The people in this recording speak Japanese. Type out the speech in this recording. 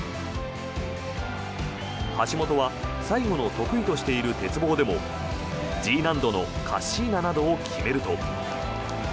橋本は最後の得意としている鉄棒でもＧ難度のカッシーナなどを決めると。